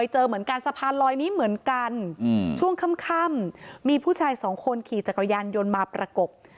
เจอเหมือนกันสะพานลอยนี้เหมือนกันช่วงค่ำมีผู้ชายสองคนขี่จักรยานยนต์มาประกบ